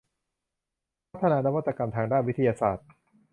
พัฒนานวัตกรรมทางด้านวิทยาศาสตร์